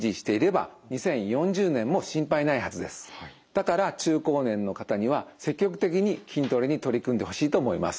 だから中高年の方には積極的に筋トレに取り組んでほしいと思います。